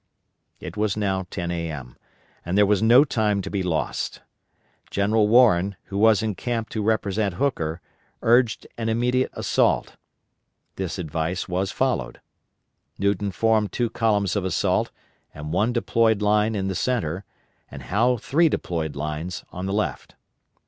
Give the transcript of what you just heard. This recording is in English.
It was now 10 A.M., and there was no time to be lost. General Warren, who was in camp to represent Hooker, urged an immediate assault. This advice was followed. Newton formed two columns of assault and one deployed line in the centre, and Howe three deployed lines on the left.